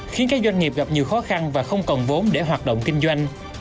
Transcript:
khiến các doanh nghiệp gặp nhiều khó khăn và không còn vốn để hoạt động kinh doanh